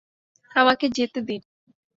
আমাকে যেতে দিন!